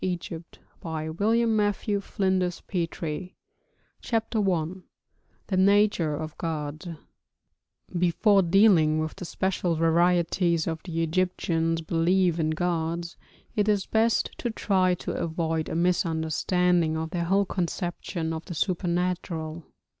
THE RELIGION OF ANCIENT EGYPT CHAPTER I THE NATURE OF GODS Before dealing with the special varieties of the Egyptians' belief in gods, it is best to try to avoid a misunderstanding of their whole conception of the supernatural.